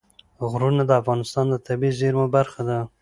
غرونه د افغانستان د طبیعي زیرمو برخه ده.